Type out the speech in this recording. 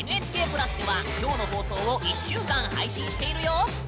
「ＮＨＫ＋」ではきょうの放送を１週間配信しているよ。